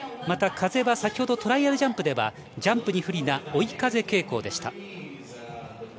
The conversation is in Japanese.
また風は先ほどのトライアルジャンプではジャンプに不利な追い風傾向でした。